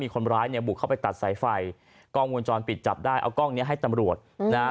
คนร้ายเนี่ยบุกเข้าไปตัดสายไฟกล้องวงจรปิดจับได้เอากล้องเนี้ยให้ตำรวจนะฮะ